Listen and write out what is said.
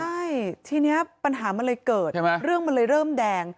ใช่ทีนี้ปัญหามันเลยเกิดใช่ไหมเรื่องมันเลยเริ่มแดง